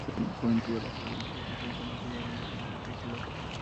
Roca triunfó en todas las provincias, excepto Buenos Aires donde ganó Tejedor.